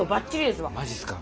マジっすか？